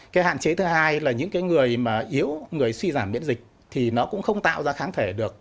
cái hạn chế thứ hai là những cái người mà yếu người suy giảm biễn dịch thì nó cũng không tạo ra kháng thể được